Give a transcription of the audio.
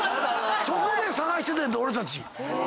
そこで探しててんて俺たち。